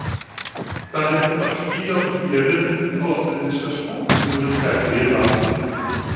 Daher sind auch Spieler und Spielerinnen mit ausländischer Staatsangehörigkeit wählbar.